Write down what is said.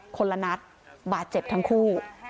คนละนัดบาดเจ็บทั้งคู่